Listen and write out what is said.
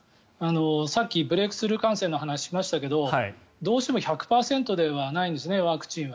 さっきブレークスルー感染の話をしましたけどどうしても１００％ではないんですね、ワクチンは。